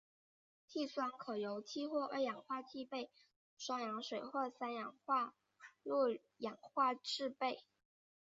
碲酸可由碲或二氧化碲被双氧水或三氧化铬氧化制备。